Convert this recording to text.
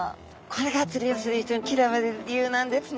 これが釣りをする人に嫌われる理由なんですね。